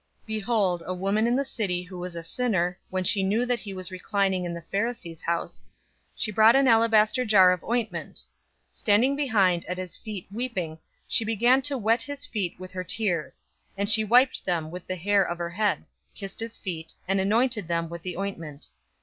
007:037 Behold, a woman in the city who was a sinner, when she knew that he was reclining in the Pharisee's house, she brought an alabaster jar of ointment. 007:038 Standing behind at his feet weeping, she began to wet his feet with her tears, and she wiped them with the hair of her head, kissed his feet, and anointed them with the ointment.